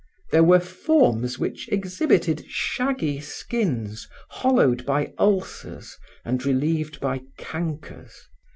There were forms which exhibited shaggy skins hollowed by ulcers and relieved by cankers.